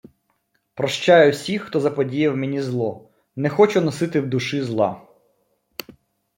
Прощаю всіх, хто заподіяв мені злоНе хочу носити в душі зла.